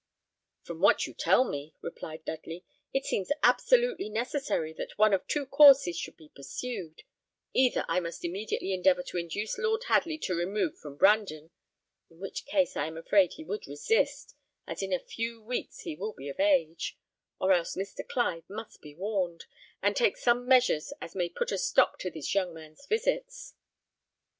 "From what you tell me," replied Dudley, "it seems absolutely necessary that one of two courses should be pursued: either I must immediately endeavour to induce Lord Hadley to remove from Brandon in which case I am afraid he would resist, as in a few weeks he will be of age or else Mr. Clive must be warned, and take such measures as may put a stop to this young man's visits."